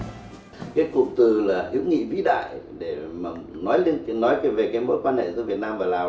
cái cụm từ là hữu nghị vĩ đại để nói về mối quan hệ giữa việt nam và lào